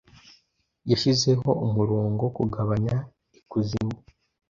Yashizeho umurongoKugabanya ikuzimu